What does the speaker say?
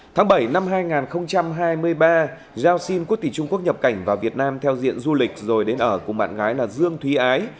tháng bảy năm hai nghìn hai mươi ba giao xin quốc tỷ trung quốc nhập cảnh vào việt nam theo diện du lịch rồi đến ở cùng bạn gái là dương thúy ái